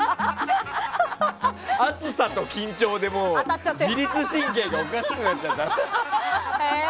暑さと緊張でもう、自律神経がおかしくなっちゃった。